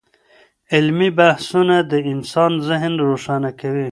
علمي بحثونه د انسان ذهن روښانه کوي.